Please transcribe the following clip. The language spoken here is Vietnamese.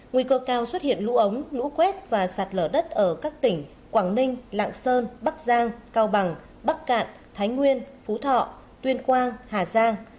nguy cơ cao xuất hiện lũ ống lũ quét và sạt lở đất ở các tỉnh quảng ninh lạng sơn bắc giang cao bằng bắc cạn thái nguyên phú thọ tuyên quang hà giang